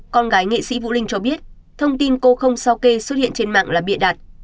con gái nghệ sĩ vũ linh cho biết thông tin cô không sao kê xuất hiện trên mạng là bịa đặt